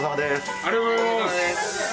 ありがとうございます！